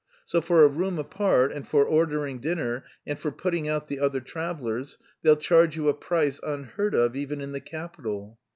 So for a room apart and for ordering dinner, and for putting out the other travellers, they'll charge you a price unheard of even in the capital...."